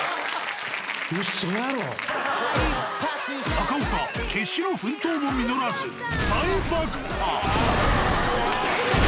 中岡、決死の奮闘も実らず、大爆破。